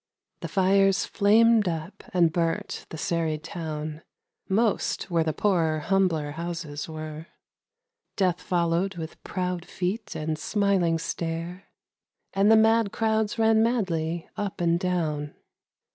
The fires flamed up and burnt the serried town Most where the poorer, humbler, houses were ; Death followed with proud feet and smiling stare, And the mad crowds ran madly up and down.